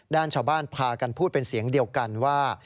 ด้านชาวบ้านพากันพูดเป็นเสียงเดียวกันว่า